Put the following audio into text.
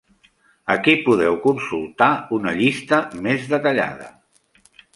Aquí podeu consultar una llista més detallada.